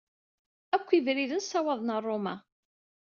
Akk ibriden ssawaḍen ɣer Ṛuma.